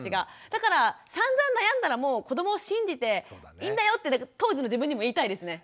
だからさんざん悩んだらもう子どもを信じていいんだよって当時の自分にも言いたいですね。